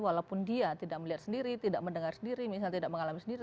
walaupun dia tidak melihat sendiri tidak mendengar sendiri misalnya tidak mengalami sendiri